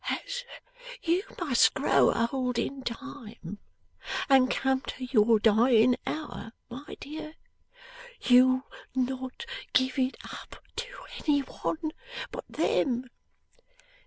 'As you must grow old in time, and come to your dying hour, my dear, you'll not give it up to any one but them?